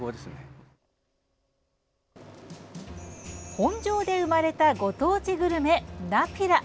本庄で生まれたご当地グルメ、ナピラ。